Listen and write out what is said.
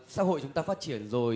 xã hội chúng ta phát triển rồi